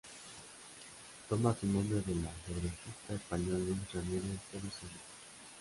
Toma su nombre del ajedrecista español Luis Ramírez de Lucena.